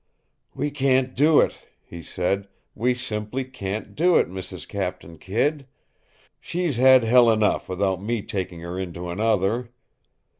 "We can't do it," he said. "We simply can't do it, Mrs. Captain Kidd. She's had hell enough without me taking her into another.